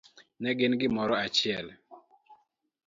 Ne gin gimoro achiel